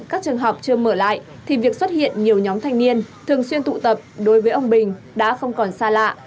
các trường học chưa mở lại thì việc xuất hiện nhiều nhóm thanh niên thường xuyên tụ tập đối với ông bình đã không còn xa lạ